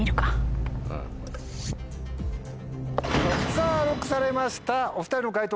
さぁＬＯＣＫされましたお２人の解答